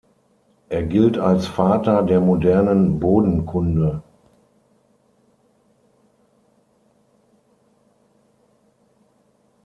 Er gilt als Vater der modernen Bodenkunde.